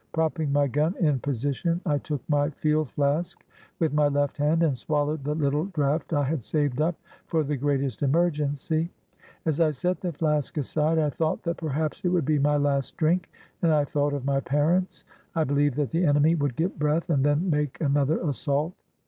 Propping my gun in position, I took my field flask with my left hand and swallowed the little draught I had saved up for the greatest emergency. As I set the flask aside, I thought that perhaps it would be my last drink, and I thought of my parents. I beUeved that the enemy would get breath and then make an other assault.